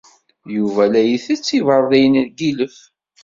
Yuba la isett tibeṛdiyin n yilef.